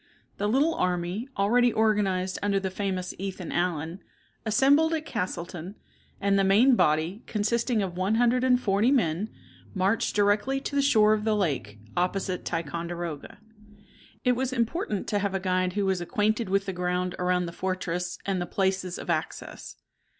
The little army, already organized under the famous Ethan Allen, assembled at Castleton, and the main body, consisting of one hundred and forty men, marched directly to the shore of the lake, opposite Ticonderoga. It was important to have a guide who was acquainted with the ground around the fortress and the places of access.